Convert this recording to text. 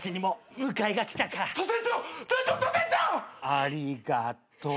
ありがとう。